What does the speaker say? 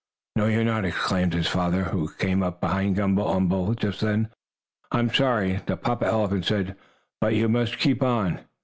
"No, you're not!" exclaimed his father, who came up behind Gumble umble, just then. "I'm sorry," the papa elephant said, "but you must keep on.